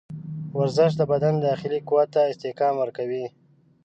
ورزش د بدن داخلي قوت ته استحکام ورکوي.